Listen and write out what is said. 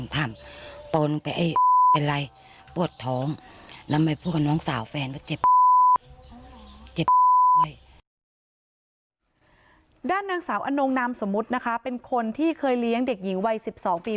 ด้านเรืองสาวนนหนามสมมุทรเป็นคนที่เคยเลี้ยงเด็กหญิงไวด์สิบสองปี